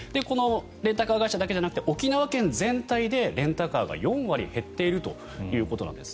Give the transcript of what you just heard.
レンタカー会社だけじゃなくて沖縄県全体でレンタカーが４割減っているということです。